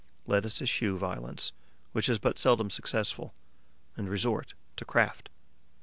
Let us eschew violence, which is but seldom successful, and resort to craft.